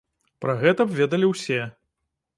Пра гэта б ведалі ўсе.